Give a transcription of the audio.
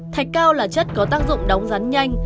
thạch cao là chất có tác dụng đóng rắn nhanh